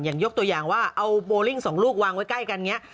ยังยกตัวอย่างว่าเอาโบลิ่งสองลูกวางไว้ใกล้กันเนี่ย